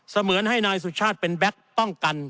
เหมือนให้นายสุชาติเป็นแก๊กป้องกัน